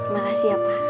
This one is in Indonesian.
makasih ya pa